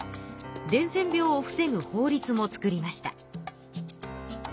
伝染病を防ぐ法律もつくりました。